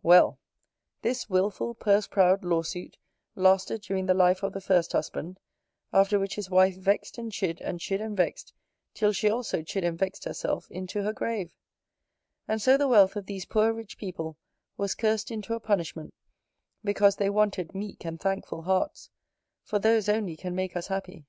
Well! this wilful, purse proud law suit lasted during the life of the first husband; after which his wife vext and chid, and chid and vext, till she also chid and vext herself into her grave: and so the wealth of these poor rich people was curst into a punishment, because they wanted meek and thankful hearts; for those only can make us happy.